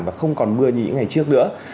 và không còn mưa như những ngày trước nữa